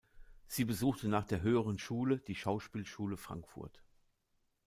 Sie besuchte nach der Höheren Schule die Schauspielschule Frankfurt.